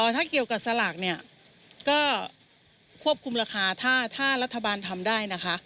ถ้าเกี่ยวกับสลากเนี่ยก็ควบคุมราคาถ้ารัฐบาลทำได้นะคะ